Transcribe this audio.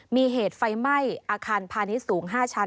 มีเหตุไฟแม่อาคารผ่านิตสูง๕ชั้น